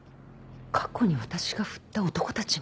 過去に私が振った男たちも。